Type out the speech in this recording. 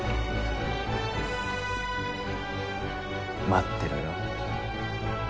待ってろよ。